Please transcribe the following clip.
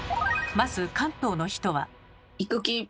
まず関東の人は。